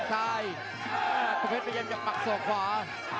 ประเภทมัยยังอย่างปักส่วนขวา